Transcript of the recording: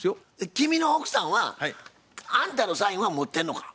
君の奥さんはあんたのサインは持ってんのか？